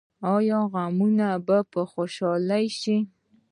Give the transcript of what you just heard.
آیا غمونه به خوشحالي شي؟